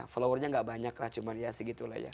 followernya gak banyak lah cuma ya segitu lah ya